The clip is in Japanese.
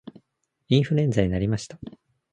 インフルエンザになりました